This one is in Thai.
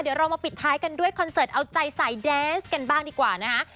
เดี๋ยวเรามาปิดท้ายกันด้วยคอนเสิร์ตเอาใจสายแดนส์กันบ้างดีกว่านะคะ